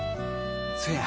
そや。